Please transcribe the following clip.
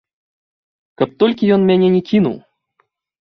Каб толькі ён мяне не кінуў!